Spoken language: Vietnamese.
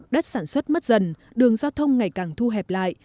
đất sản xuất mất dần đường giao thông ngày càng thu hẹp lại